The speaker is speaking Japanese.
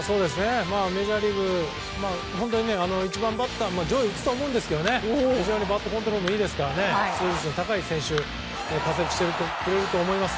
メジャーリーグで本当に１番バッターとか上位で打つとは思うんですけど非常にバットコントロールもいいですから活躍してくれると思います。